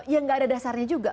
yang gak ada dasarnya juga